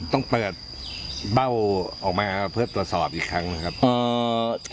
ต้องเปิดเบ้าออกมาเพื่อตรวจสอบอีกครั้งนะครับ